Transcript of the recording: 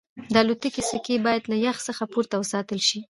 د الوتکې سکي باید له یخ څخه پورته وساتل شي